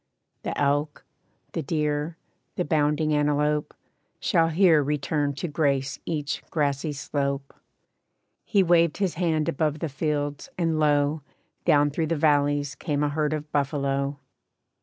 The elk, the deer, the bounding antelope, Shall here return to grace each grassy slope.' He waved his hand above the fields, and lo! Down through the valleys came a herd of buffalo.